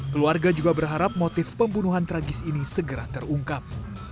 keluarga juga berharap motif pembunuhan tragis ini segera terungkap